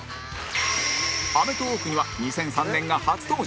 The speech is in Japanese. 『アメトーーク』には２００３年が初登場！